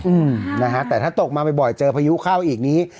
อืมนะฮะแต่ถ้าตกมาบ่อยเจอพยุค่าอีกนี้